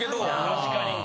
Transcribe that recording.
確かに。